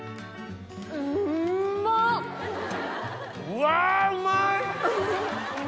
うわうまい！